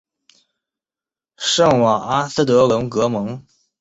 圣瓦阿斯德隆格蒙。